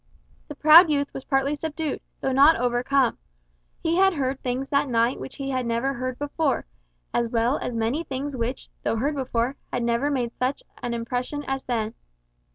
The proud youth was partly subdued, though not overcome. He had heard things that night which he had never heard before, as well as many things which, though heard before, had never made such an impression as then.